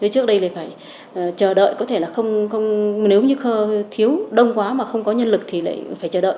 trước đây thì phải chờ đợi nếu như thiếu đông quá mà không có nhân lực thì lại phải chờ đợi